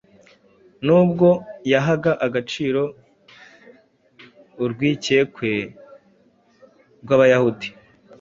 Nubwo yahaga agaciro urwikekwe rw’Abayahudi,